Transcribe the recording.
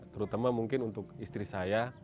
terutama mungkin untuk istri saya